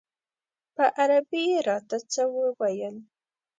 په عربي یې راته څه وویل.